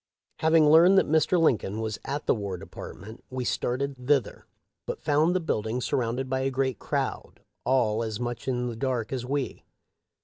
Having learned that Mr. Lincoln was at the War Department we started thither, but found the building surrounded by a great crowd, all as much in the dark as we.